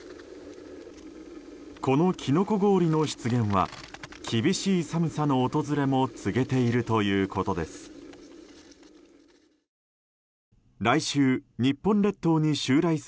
このキノコ氷の出現は厳しい寒さの訪れも告げているということです。